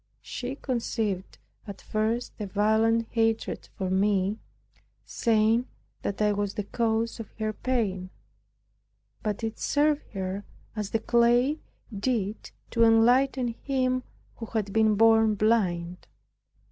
She conceived at first a violent hatred for me, saying that I was the cause of her pain. But it served her, as the clay did to enlighten him who had been born blind.